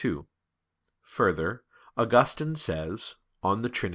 2: Further, Augustine says (De Trin.